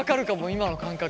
今の感覚。